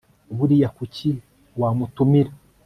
Buriya kuki wamutumira